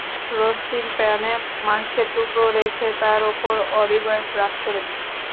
Roasting প্যানে মাংসের টুকরা রেখে তার ওপর অলিভ ওয়েল ব্রাশ করে দিন।